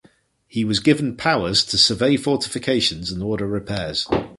He was given powers to survey fortifications and order repairs.